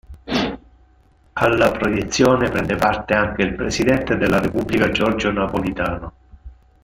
Alla proiezione prende parte anche il Presidente della repubblica Giorgio Napolitano.